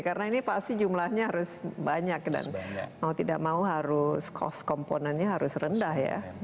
karena ini pasti jumlahnya harus banyak dan mau tidak mau harus cost komponennya harus rendah ya